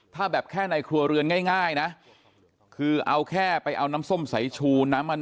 ถ้าแบบแค่ในครัวเรือนง่ายนะคือเอาแค่ไปเอาน้ำส้มสายชูน้ำมัน